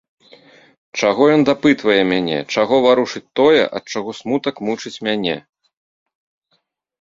Чаго ён дапытвае мяне, чаго варушыць тое, ад чаго смутак мучыць мяне.